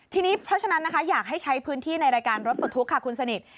ทีนี้เพราะฉะนั้นนะคะอยากให้ใช้พื้นที่ในรายการรถปลดทุกข์ค่ะคุณสนิท